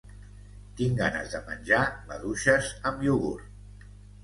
Tinc ganes de menjar maduixes amb iogurt